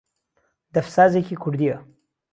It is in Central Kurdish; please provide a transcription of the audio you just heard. دەف سازێکی کوردییە